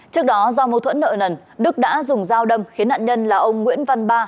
trước đó do mâu thuẫn nợ nần đức đã dùng dao đâm khiến nạn nhân là ông nguyễn văn ba